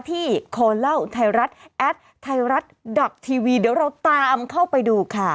ที่คอเล่าไทยรัฐแอดไทยรัฐดับทีวีเดี๋ยวเราตามเข้าไปดูค่ะ